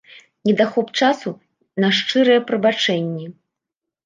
Недахоп часу на шчырыя прабачэнні.